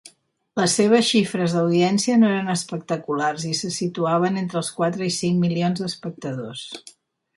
Les seves xifres d'audiència no eren espectaculars i se situaven entre els quatre i cinc milions d'espectadors.